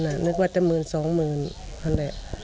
หมื่นเท่าสองมึง